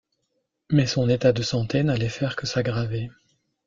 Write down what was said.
Mais son état de santé n'allait faire que s'aggraver.